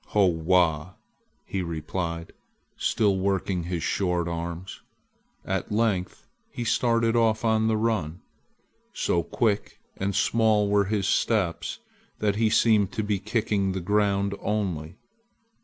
"Ho wo," he replied, still working his short arms. At length he started off on the run. So quick and small were his steps that he seemed to be kicking the ground only.